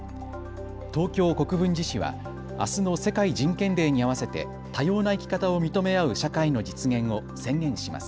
東京国分寺市は、あすの世界人権デーに合わせて多様な生き方を認め合う社会の実現を宣言します。